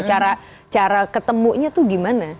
cara ketemunya tuh gimana